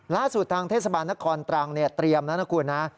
ล่าสุดทางเทศบาลนครตรังนั่นนะคุณนะ